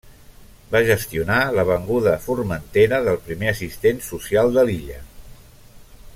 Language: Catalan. Va gestionar la venguda a Formentera del primer assistent social de l'illa.